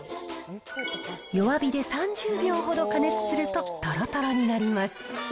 弱火で３０秒ほど加熱すると、とろとろになります。